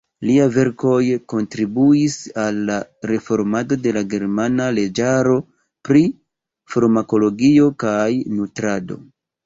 Liaj verkoj kontribuis al la reformado de la germana leĝaro pri farmakologio kaj nutrado.